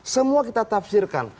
semua kita tafsirkan